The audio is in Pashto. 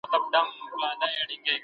د اقلیم ساتنه د هر هیواد اخلاقي دنده ده.